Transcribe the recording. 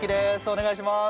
お願いします。